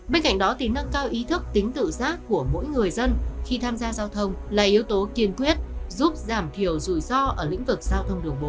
bên cạnh đó thì nâng cao ý thức tính tự giác của mỗi người dân khi tham gia giao thông là yếu tố kiên quyết giúp giảm thiểu rủi ro ở lĩnh vực giao thông đường bộ